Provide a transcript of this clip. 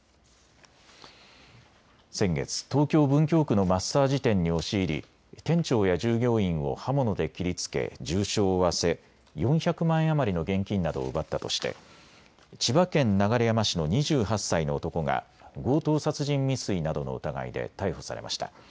先月、東京文京区のマッサージ店に押し入り店長や従業員を刃物で切りつけ重症を負わせ４００万円余りの現金などを奪ったとして千葉県流山市の２８歳の男が強盗殺人未遂などの疑いで逮捕されました。